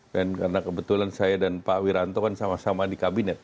dan karena kebetulan saya dan pak wiranto kan sama sama di kabinet